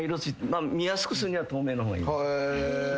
見やすくするには透明の方がいい。